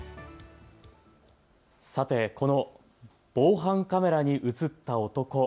さて、この防犯カメラに写った男。